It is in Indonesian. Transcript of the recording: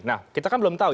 nah kita kan belum tahu ya